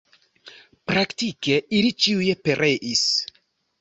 Praktike ili ĉiuj pereis.